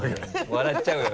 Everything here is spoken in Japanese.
笑っちゃうよ